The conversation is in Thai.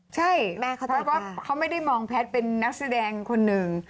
ใช่เพราะว่าเขาไม่ได้มองแพทย์เป็นนักแสดงคนหนึ่ง